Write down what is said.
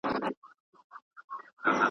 مور یې کړله په یوه ګړي پر بوره .